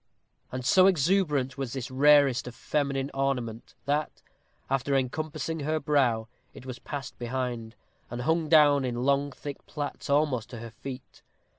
And so exuberant was this rarest feminine ornament, that, after encompassing her brow, it was passed behind, and hung down in long thick plaits almost to her feet.